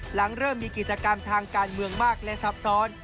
หลังเริ่มมีกิจกรรมทางการเมืองมากและซับซ้อน